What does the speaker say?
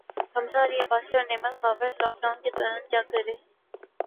حمزہ علی عباسی اور Naimal Khawar Khan lockdown کے دوران کیا کررہے ہیں